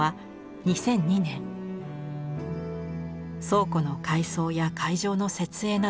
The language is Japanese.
倉庫の改装や会場の設営など